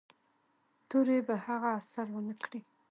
تورې په هغه اثر و نه کړ.